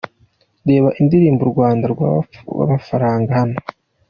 Reba indirimbo u Rwanda rw'amafaranga hano:.